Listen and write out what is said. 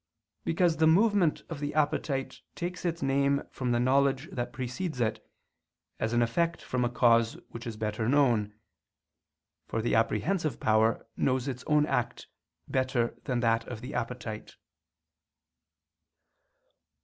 Because the movement of the appetite takes its name from the knowledge that precedes it, as an effect from a cause which is better known; for the apprehensive power knows its own act better than that of the appetite.